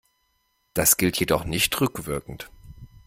Das gilt jedoch nicht rückwirkend.